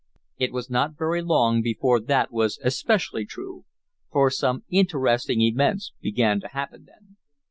It was not very long before that was especially true. For some interesting events began to happen then.